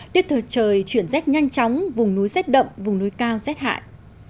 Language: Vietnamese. tiết thời trời chuyển rét nhanh chóng vùng núi rét đậm vùng núi cao rét hại